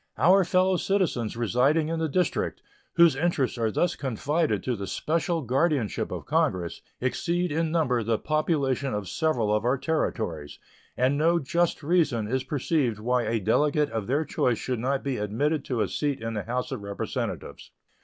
Our fellow citizens residing in the District, whose interests are thus confided to the special guardianship of Congress, exceed in number the population of several of our Territories, and no just reason is perceived why a Delegate of their choice should not be admitted to a seat in the House of Representatives.